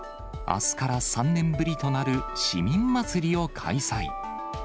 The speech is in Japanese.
あすから３年ぶりとなる市民まつりを開催。